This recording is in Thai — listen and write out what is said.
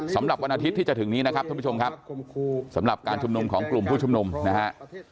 วันอาทิตย์ที่จะถึงนี้นะครับท่านผู้ชมครับสำหรับการชุมนุมของกลุ่มผู้ชุมนุมนะฮะ